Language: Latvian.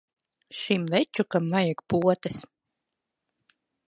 Šim večukam vajag potes.